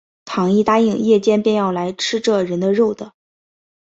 倘一答应，夜间便要来吃这人的肉的